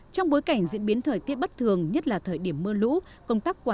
trong bối cảnh diễn biến thời tiết bất thường nhất là thời điểm mưa lũ